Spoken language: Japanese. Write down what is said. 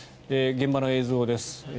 現場の映像です。